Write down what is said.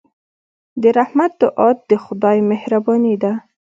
د رحمت دعا د خدای مهرباني ده.